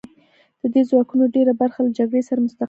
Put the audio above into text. د دې ځواکونو ډېره برخه له جګړې سره مستقیمه رابطه نه لري